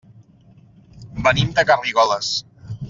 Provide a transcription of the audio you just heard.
Venim de Garrigoles.